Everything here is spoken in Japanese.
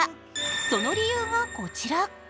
その理由がこちら。